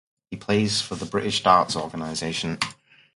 He plays for the British Darts Organisation.